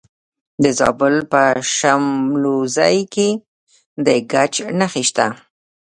د زابل په شمولزای کې د ګچ نښې شته.